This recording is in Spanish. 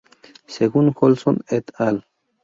Según Ohlson "et al".